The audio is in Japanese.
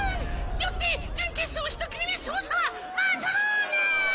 よって準決勝一組目勝者はマトローナ！